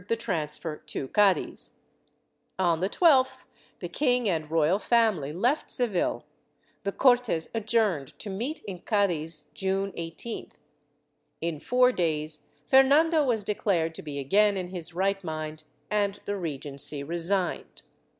I] THE FRENCH INVASION 447 the transfer to Cadiz; on the 12th the kmg and royal family left Seville; the Cortes adjourned to meet in Cadiz June 18th; in four days Fernando was declared to be again in his right mind and the Regency resigned.